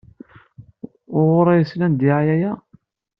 Wuɣur ay slan ddiɛaya-a?